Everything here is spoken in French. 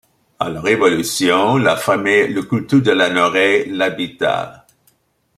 À la Révolution, la famille Le Coulteux de La Noraye l'habita.